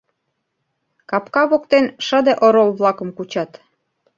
Капка воктен шыде орол-влакым кучат.